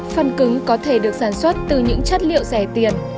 phần cứng có thể được sản xuất từ những chất liệu rẻ tiền